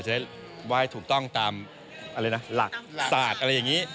จะได้ไหว้ถูกต้องตามหลักศาสตร์อะไรอย่างนี้